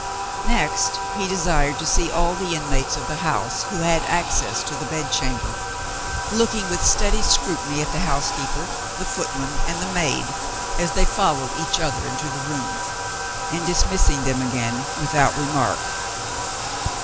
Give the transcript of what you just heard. Next, he desired to see all the inmates of the house who had access to the bed chamber; looking with steady scrutiny at the housekeeper, the footman, and the maid, as they followed each other into the room and dismissing them again without remark.